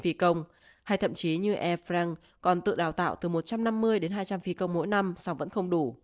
phi công hay thậm chí như air france còn tự đào tạo từ một trăm năm mươi đến hai trăm linh phi công mỗi năm